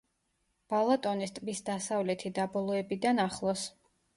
ბალატონის ტბის დასავლეთი დაბოლოებიდან ახლოს.